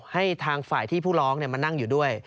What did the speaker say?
ให้ทางฝ่ายที่ผู้ร้องมานั่งอยู่ด้วย